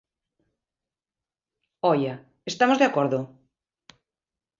¡Oia!, ¿estamos de acordo?